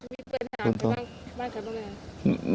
มีเพื่อนหาไปบ้านกันบ้างไง